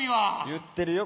言ってるよ